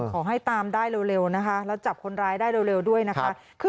ขอให้ตามได้เร็วนะคะแล้วจับคนร้ายได้เร็วด้วยนะคะ